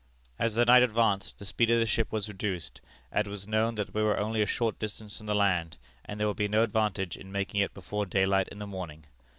As the night advanced the speed of the ship was reduced, as it was known that we were only a short distance from the land, and there would be no advantage in making it before daylight in the morning.